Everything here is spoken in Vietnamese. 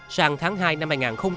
sàng tháng hai năm hai nghìn một mươi ba